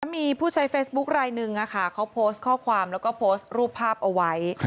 มีผู้ใช้เฟซบุ๊คลายหนึ่งเขาโพสต์ข้อความแล้วก็โพสต์รูปภาพเอาไว้